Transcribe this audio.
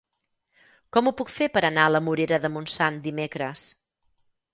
Com ho puc fer per anar a la Morera de Montsant dimecres?